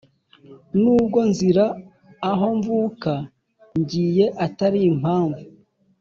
N’ubwo nzira aho mvuka Ngiye utari impamvu